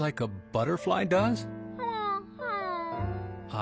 あ。